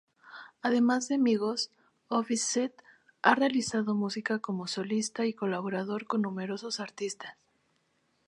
Además de Migos, Offset ha realizado música como solista y colaborado con numerosos artistas.